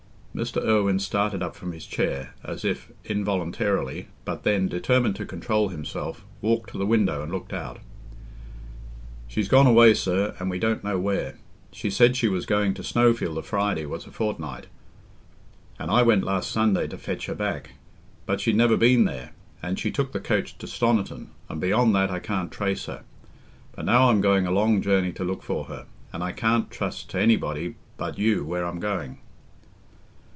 Mr. Irwine started up from his chair, as if involuntarily, but then, determined to control himself, walked to the window and looked out. "She's gone away, sir, and we don't know where. She said she was going to Snowfield o' Friday was a fortnight, and I went last Sunday to fetch her back; but she'd never been there, and she took the coach to Stoniton, and beyond that I can't trace her. But now I'm going a long journey to look for her, and I can't trust t' anybody but you where I'm going."